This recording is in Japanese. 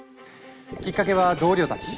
きっかけは同僚たち。